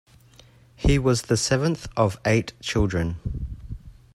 He was the seventh of eight children.